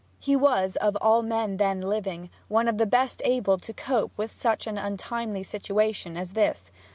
He was of all men then living one of the best able to cope with such an untimely situation as this.